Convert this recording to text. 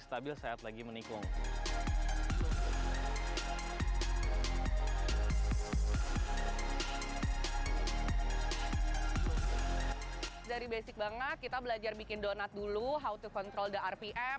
stabil saat lagi menikung dari basic banget kita belajar bikin donat dulu how to control the rpm